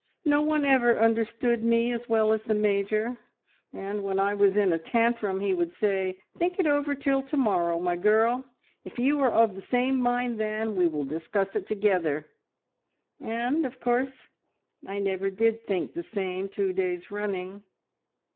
No one ever understood me as well as the Major, and when I was in a tantrum he would say, `Think it over till to morrow, my girl. If you are of the same mind then, we will discuss it together,' and, of course, I never did think the same two days running.